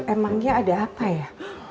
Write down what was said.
emangnya ada apa ya